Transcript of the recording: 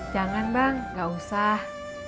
jangan bang gak usah